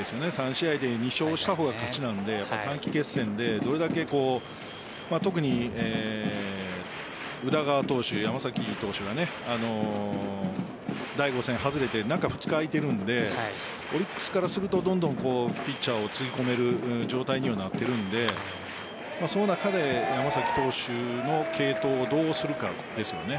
３試合で２勝した方が勝ちなので短期決戦でどれだけ特に宇田川投手、山崎投手が第５戦外れて中２日空いているのでオリックスからするとどんどんピッチャーをつぎ込める状態にはなっているのでその中で山崎投手の継投をどうするかですよね。